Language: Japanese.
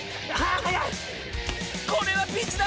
これはピンチだ！